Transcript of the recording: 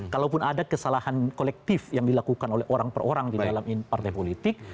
kalaupun ada kesalahan kolektif yang dilakukan oleh orang per orang di dalam partai politik